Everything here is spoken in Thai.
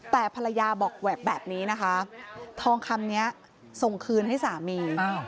แต่ภรรยาบอกแบบนี้นะคะทองคำนี้ส่งคืนให้สามี